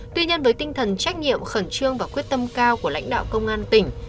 tuy nhiên với tinh thần trách nhiệm khẩn trương và quyết tâm cao của lãnh đạo công an tỉnh